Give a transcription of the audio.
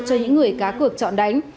cho những người cá cược chọn đánh